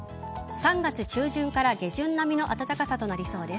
３月中旬から下旬並みの暖かさとなりそうです。